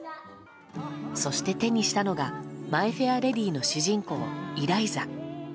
そして、手にしたのが「マイ・フェア・レディ」の主人公イライザ。